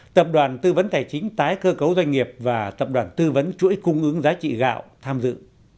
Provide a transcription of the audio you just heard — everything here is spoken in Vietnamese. tập đoàn tư vấn tài chính tái cơ cấu doanh nghiệp và tập đoàn tư vấn chuỗi cung ứng giá trị gạo tham dự